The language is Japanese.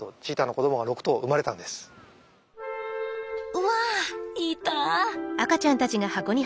うわっいた！